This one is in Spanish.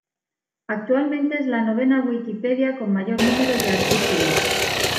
Actualmente es la novena Wikipedia con mayor número de artículos.